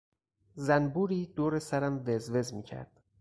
زنبوری دور سرم وز وز میکرد.